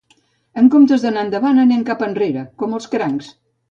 En comptes d'anar endavant, anem cap enrere com els crancs.